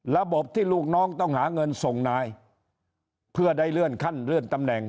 ระบบที่ลูกน้องต้องหาเงินส่งนายเพื่อได้เลื่อนขั้นเลื่อนตำแหน่ง